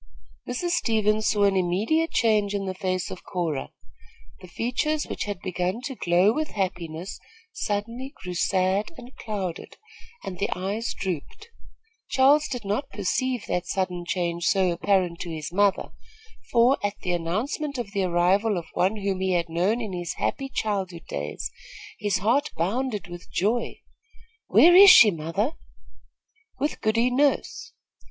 Mrs. Stevens saw an immediate change in the face of Cora. The features which had begun to glow with happiness suddenly grew sad and clouded, and the eyes drooped. Charles did not perceive that sudden change so apparent to his mother, for, at the announcement of the arrival of one whom he had known in his happy childhood days, his heart bounded with joy. "Where is she, mother?" "With Goody Nurse."